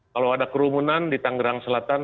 kalau ada kerumunan di tanggerang selatan